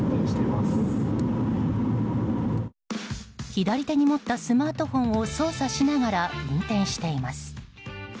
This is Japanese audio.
左手に持ったスマートフォンを操作しながら運転しています。